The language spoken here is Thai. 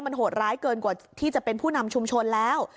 มันโหดร้ายเกินกว่าที่จะเป็นผู้นำชุมชนแล้ว